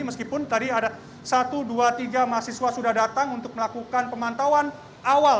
meskipun tadi ada satu dua tiga mahasiswa sudah datang untuk melakukan pemantauan awal